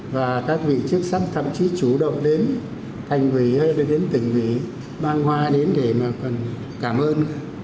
và các vị chức sách thậm chí chủ động đến thành quỷ hay là đến tỉnh quỷ mang hoa đến để mà còn cảm ơn